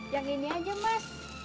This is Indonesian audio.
yang ini aja mas